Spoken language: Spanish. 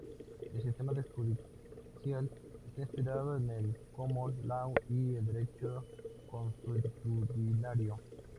El sistema judicial está inspirado en el Common Law y el derecho consuetudinario.